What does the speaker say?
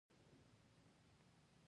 تحقیق دیوه شي اثباتولو ته وايي.